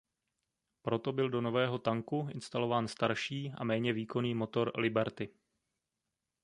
Proto byl do nového tanku instalován starší a méně výkonný motor Liberty.